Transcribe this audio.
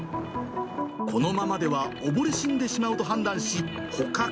このままでは溺れ死んでしまうと判断し、捕獲。